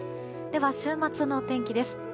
では週末のお天気です。